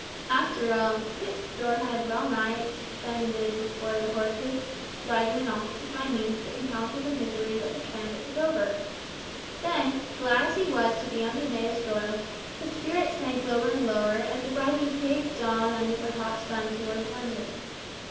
After all, Kit's store had to be well nigh expended before the horses, waggon, and all, could find means to encounter the miseries of the transit to Dover. Then, glad as he was to be on his native soil, his spirits sank lower and lower as the waggon creaked on under the hot sun towards London.